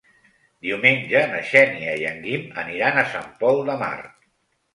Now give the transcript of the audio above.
Diumenge na Xènia i en Guim aniran a Sant Pol de Mar.